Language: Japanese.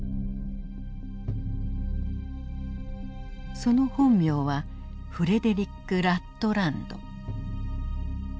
その本名はフレデリック・ラットランド。